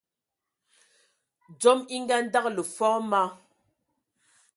Dzom e andǝgələ fɔɔ ma,